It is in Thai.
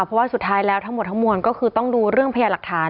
เพราะว่าสุดท้ายแล้วทั้งหมดทั้งมวลก็คือต้องดูเรื่องพยาหลักฐาน